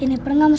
ya ya tentu rights